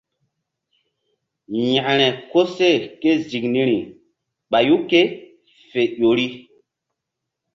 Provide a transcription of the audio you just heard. Yȩkre koseh ké ziŋ niri ɓayu ké fe ƴo ri.